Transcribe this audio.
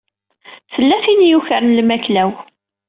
Tella tin i yukren lmakla-w.